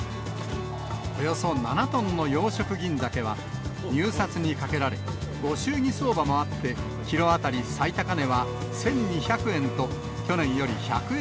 およそ７トンの養殖ギンザケは入札にかけられ、ご祝儀相場もあって、キロ当たり最高値は１２００円と、去年より１００円